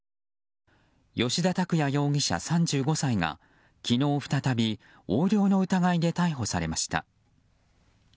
吉田拓哉容疑者、３５歳が昨日再び、横領の疑いで逮捕されました。